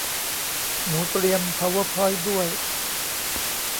หนูเตรียม พาวเวอร์พอยท์ ด้วย